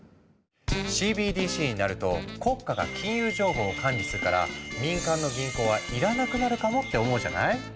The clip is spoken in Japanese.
ＣＢＤＣになると国家が金融情報を管理するから民間の銀行は要らなくなるかもって思うじゃない？